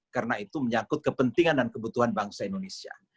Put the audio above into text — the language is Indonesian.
karena itu menyangkut kepentingan dan kebutuhan bangsa indonesia